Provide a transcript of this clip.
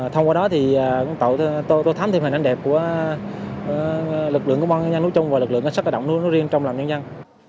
thông qua đó thì tôi thám thêm hình ảnh đẹp của lực lượng của bọn nhân nữ chung và lực lượng sát cơ động nữ riêng trong lòng nhân dân